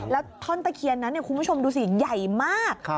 แล้วท่อนตะเคียนนั้นคุณผู้ชมดูสิใหญ่มาก